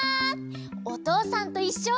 「おとうさんといっしょ」